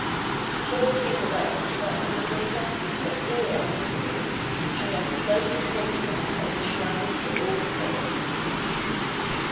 So it came about that he was looked up to by all honest folk, and that his life was spoken of as an example for all to follow.